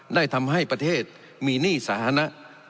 ได้ทำให้ประเทศมีหนี้สาธารณะ